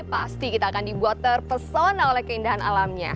pasti kita akan dibuat terpesona oleh keindahan alamnya